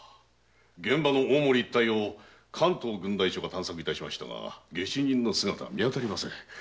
大森一帯を関東郡代所が探索しましたが下手人の姿は見当たりません。